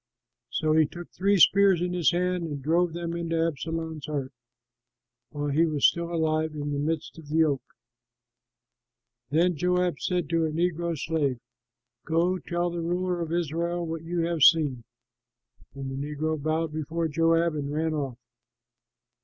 So he took three spears in his hand and drove them into Absalom's heart, while he was still alive in the midst of the oak. Then Joab said to a negro slave, "Go, tell the ruler of Israel what you have seen." And the negro bowed before Joab and ran off.